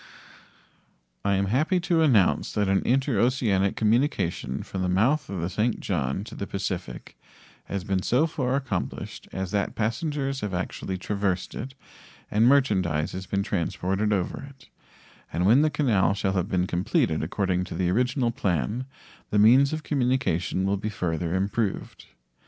I am happy to announce that an interoceanic communication from the mouth of the St. John to the Pacific has been so far accomplished as that passengers have actually traversed it and merchandise has been transported over it, and when the canal shall have been completed according to the original plan the means of communication will be further improved.